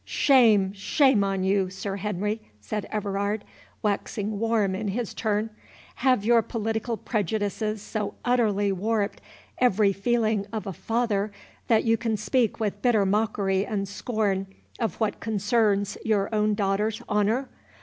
"Shame, shame on you, Sir Henry;" said Everard, waxing warm in his turn; "have your political prejudices so utterly warped every feeling of a father, that you can speak with bitter mockery and scorn of what concerns your own daughter's honour?